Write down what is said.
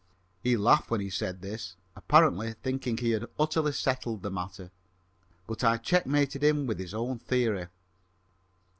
He laughed when he said this, apparently thinking he had utterly settled the matter, but I checkmated him with his own theory.